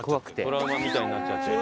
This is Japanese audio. トラウマみたいになっちゃってる。